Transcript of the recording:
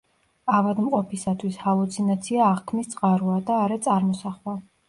ავადმყოფისათვის ჰალუცინაცია აღქმის წყაროა და არა წარმოსახვა.